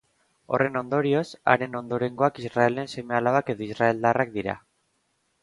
Horren ondorioz, haren ondorengoak Israelen seme-alabak edo israeldarrak dira.